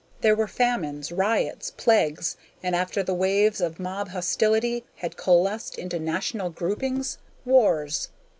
There were famines, riots, plagues, and, after the waves of mob hostility had coalesced into national groupings, wars.